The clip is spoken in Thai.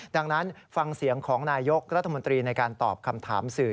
ดังนั้นฟังเสียงของนายกรัฐมนตรีในการตอบคำถามสื่อ